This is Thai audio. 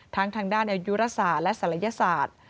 ทางด้านอายุรักษาและศัลยศาสตร์